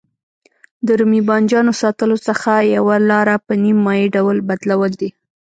د رومي بانجانو ساتلو څخه یوه لاره په نیم مایع ډول بدلول دي.